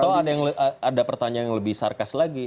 atau ada pertanyaan yang lebih sarkas lagi